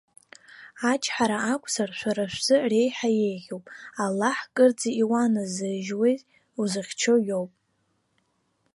Ачҳара акәзар, шәара шәзы реиҳа иеиӷьуп. Аллаҳ кырӡа иуаназыжьуеи узыхьчо иоуп.